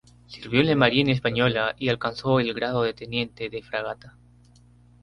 Sirvió en la marina española y alcanzó el grado de teniente de fragata.